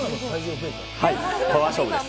パワー勝負です。